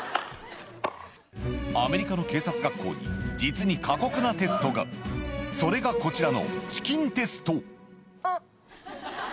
アメリカの警察学校に実に過酷なテストがそれがこちらのチキンテスト